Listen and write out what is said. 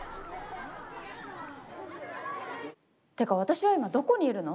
てか私は今どこにいるの？